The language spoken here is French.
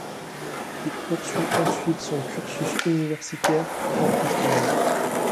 Il poursuit ensuite son cursus universitaire hors d'Espagne.